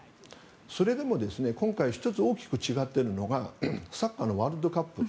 それでも今回１つ大きく違っているのがサッカーのワールドカップ。